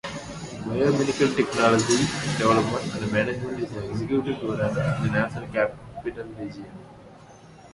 Biomedical Technology Development and Management is an executive program in the National Capital Region.